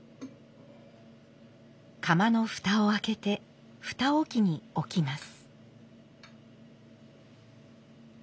釜の蓋を開けて蓋置に置きます。